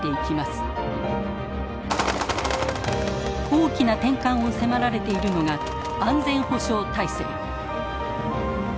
大きな転換を迫られているのが安全保障体制。